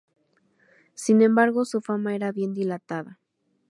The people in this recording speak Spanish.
Sin embargo, su fama era bien dilatada.